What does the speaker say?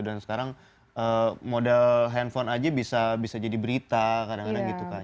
dan sekarang modal handphone aja bisa jadi berita kadang kadang gitu kan